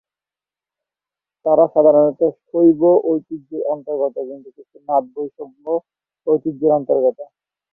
তারা সাধারণত শৈব ঐতিহ্যের অন্তর্গত, কিন্তু কিছু নাথ বৈষ্ণব ঐতিহ্যের অন্তর্গত।